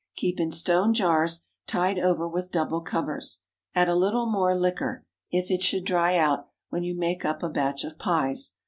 Keep in stone jars, tied over with double covers. Add a little more liquor (if it should dry out), when you make up a batch of pies.